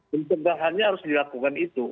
pencegahannya harus dilakukan itu